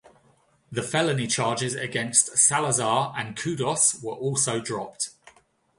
The felony charges against Salazar and Kouddous were also dropped.